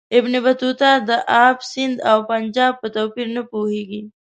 ابن بطوطه د آب سند او پنجاب په توپیر نه پوهیږي.